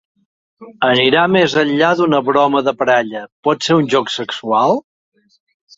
Anirà més enllà d'una broma de parella, potser un joc sexual?